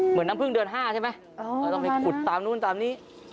เหมือนน้ำผึ้งเดือนห้าใช่ไหมต้องไปขุดตามนู่นตามนี้